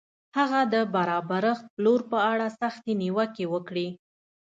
هغه د برابرښت پلور په اړه سختې نیوکې وکړې.